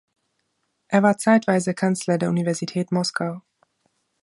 Er war zeitweise Kanzler der Universität Moskau.